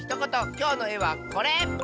きょうのえはこれ！